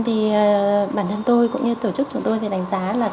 thì bản thân tôi cũng như tổ chức chúng tôi thì đánh giá là